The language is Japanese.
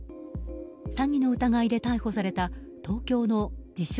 詐欺の疑いで逮捕された東京の自称